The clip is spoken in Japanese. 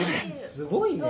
すごいね。